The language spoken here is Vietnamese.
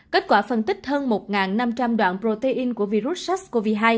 kết quả phân tích hơn một năm trăm linh đoạn protein của virus sars cov hai